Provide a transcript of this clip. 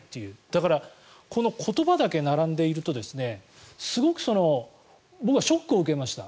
だからこの言葉だけ並んでいるとすごく僕はショックを受けました